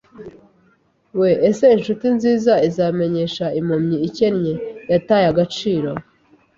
we, “Ese inshuti nziza izamenyesha impumyi ikennye, yataye agaciro